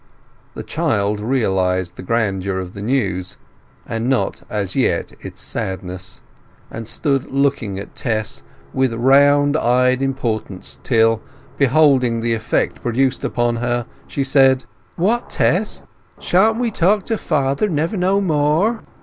The child realized the grandeur of the news; but not as yet its sadness, and stood looking at Tess with round eyed importance till, beholding the effect produced upon her, she said— "What, Tess, shan't we talk to father never no more?"